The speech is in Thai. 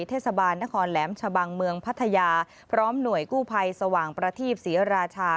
เทศบาลนครแหลมชะบังเมืองพัทยาพร้อมหน่วยกู้ภัยสว่างประทีปศรีราชา